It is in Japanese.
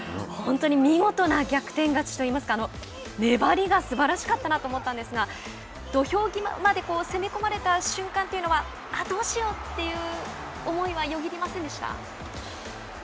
本当に見事な逆転勝ちといいますか粘りが、すばらしかったなと思ったんですが土俵際まで攻め込まれた瞬間というのはあっ、どうしようという思いはよぎりませんでした？